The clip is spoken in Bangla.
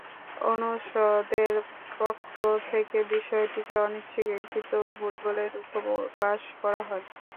অনুষদের পক্ষ থেকে বিষয়টিকে অনিচ্ছাকৃত ভুল বলে দুঃখ প্রকাশ করা হয়।